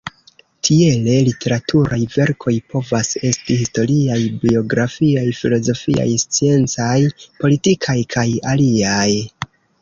Tiele literaturaj verkoj povas esti historiaj, biografiaj, filozofiaj, sciencaj, politikaj, kaj aliaj.